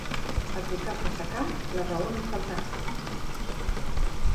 Advocat de secà, la raó no et faltarà.